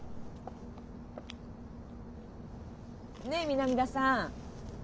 ねえ南田さん。